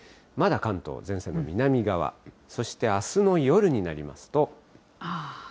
まだ関東、前線の南側、そしてあすの夜になりますと。